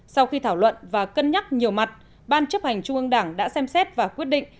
sau khi thảo luận và cân nhắc nhiều mặt ban chấp hành trung ương đảng đã xem xét và quyết định